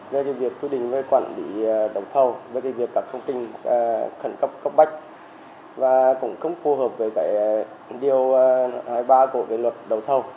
với việc quyết định về quản lý đấu thầu với việc đặt công trình khẩn cấp cấp bách và cũng không phù hợp với điều hai mươi ba của luật đấu thầu